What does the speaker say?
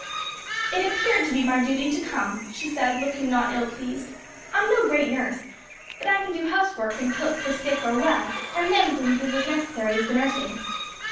"It appeared to be my duty to come," she said, looking not ill pleased; "I'm no great nurse, but I can do housework and cook for sick or well; and them things is as necessary as the nursing."